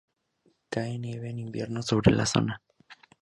Cae nieve en invierno sobre la zona.